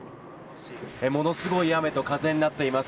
ものすごい雨と風になっています。